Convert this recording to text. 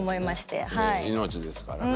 命ですからね。